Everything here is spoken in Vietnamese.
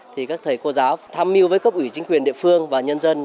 thì các thầy cô giáo tham mưu với cấp ủy chính quyền địa phương và nhân dân